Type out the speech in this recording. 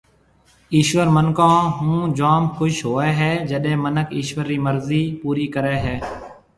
ايشوَر مِنکون هو جوم خُوش هوئي هيَ جڏي مِنک ايشوَر رِي مرضِي پورِي ڪريَ هيَ۔